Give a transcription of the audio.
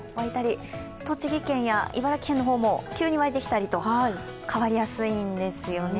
栃木県や茨城県も急に湧いてきたりと変わりやすいんですね。